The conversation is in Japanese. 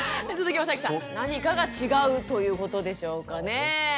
何かが違うということでしょうかね？